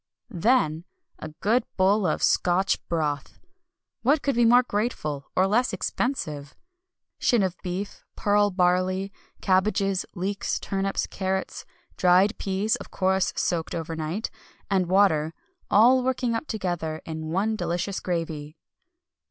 Than a good bowl of Scotch Broth, what could be more grateful, or less expensive? Shin of beef, pearl barley, cabbages, leeks, turnips, carrots, dried peas (of course soaked overnight), and water "all working up together in one delicious gravy."